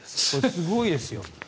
すごいですよ。